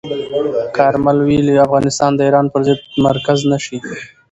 کارمل ویلي، افغانستان د ایران پر ضد مرکز نه شي.